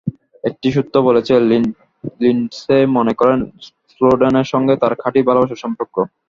একটি সূত্র বলেছে, লিন্ডসে মনে করেন, স্নোডেনের সঙ্গে তাঁর খাঁটি ভালোবাসার সম্পর্ক।